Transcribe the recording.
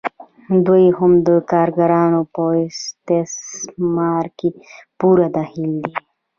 دوی هم د کارګرانو په استثمار کې پوره دخیل دي